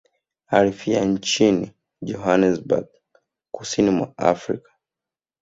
Alifia nchini Johannesburg kusini mwa Afrika